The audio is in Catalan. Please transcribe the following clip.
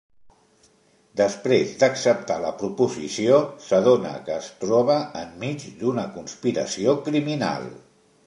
Després d'acceptar la proposició, s'adona que es troba enmig d'una conspiració criminal.